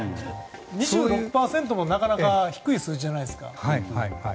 ２６％も、なかなか低い数字じゃないですか。